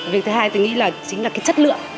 việc thứ hai tôi nghĩ là chính là cái chất lượng